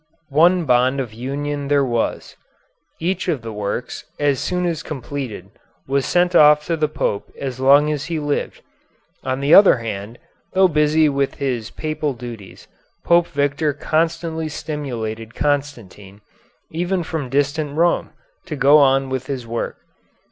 One bond of union there was. Each of the works, as soon as completed, was sent off to the Pope as long as he lived. On the other hand, though busy with his Papal duties, Pope Victor constantly stimulated Constantine, even from distant Rome, to go on with his work.